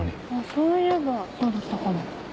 そういえばそうだったかも。